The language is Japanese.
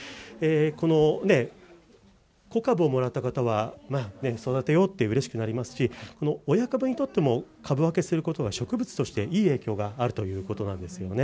この子株をもらった方は大切に育てようとうれしくなりますし親株にとっても株分けすることは植物にとってもいい影響があるそうなんです。